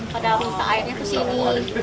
jadi minta airnya ke sini